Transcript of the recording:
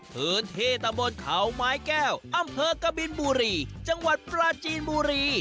พื้นที่ตะบนเขาไม้แก้วอำเภอกบินบุรีจังหวัดปราจีนบุรี